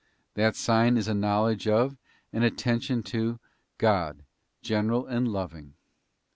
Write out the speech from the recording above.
That sign is a knowledge of, and attention to, God, general and loving.